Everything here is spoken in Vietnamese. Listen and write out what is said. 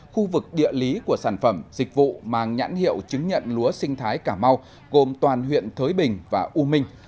khu vực địa lý của sản phẩm dịch vụ mang nhãn hiệu chứng nhận lúa sinh thái cà mau gồm toàn huyện thới bình và u minh